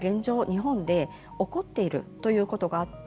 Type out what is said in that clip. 日本で起こっているということがあって。